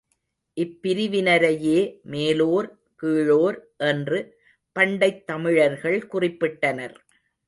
இப்பிரிவினரையே மேலோர், கீழோர் என்று பண்டைத் தமிழர்கள் குறிப்பிட்டனர்.